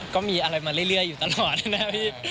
ก็มีอะไรมาเรื่อยอยู่ตลอดนะครับพี่